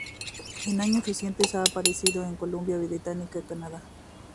En años recientes, ha aparecido en Columbia Británica, Canadá.